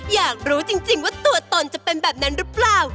อยากรู้จริงว่าตัวตนเอาคือนั้นหรือไม่